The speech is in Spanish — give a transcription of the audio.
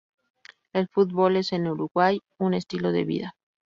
El fútbol es en Uruguay un estilo de vida.